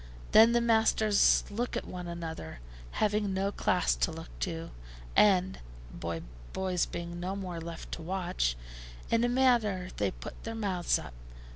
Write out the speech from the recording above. Then the masters look at one another, having no class to look to, and (boys being no more left to watch) in a manner they put their mouths up.